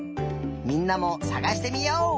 みんなもさがしてみよう！